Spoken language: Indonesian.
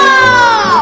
ya benar benar